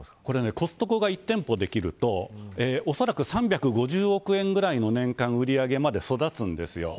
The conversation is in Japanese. コストコが１店舗できると３５０億円ぐらいの年間売上まで育つんです。